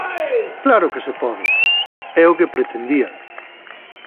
¡Claro que se pode! É o que pretendían.